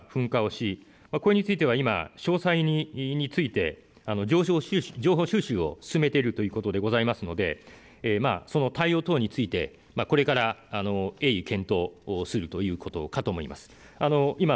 午前１１時４３分ごろに阿蘇山が噴火をし、これについては詳細について情報収集を進めているというところでございますのでその対応等についてこれから鋭意、検討するということかと思います。